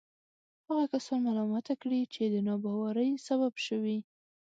هغه کسان ملامته کړي چې د ناباورۍ سبب شوي.